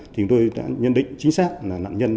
thì tôi đã nhận định chính xác là nạn nhân